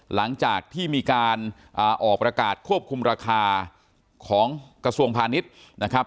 หลังจากที่มีการออกประกาศควบคุมราคาของกระทรวงพาณิชย์นะครับ